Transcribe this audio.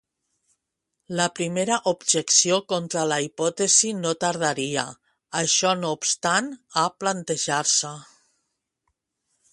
La primera objecció contra la hipòtesi no tardaria, això no obstant, a plantejar-se.